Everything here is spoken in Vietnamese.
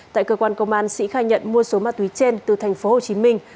tại cơ quan công an sĩ khai nhận mua số ma túy trên từ thành phố hồ chí minh